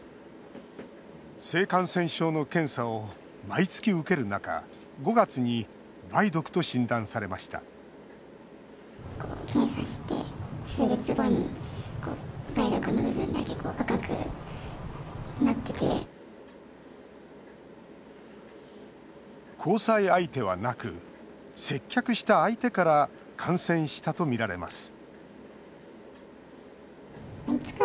性感染症の検査を毎月受ける中５月に梅毒と診断されました交際相手はなく接客した相手から感染したとみられます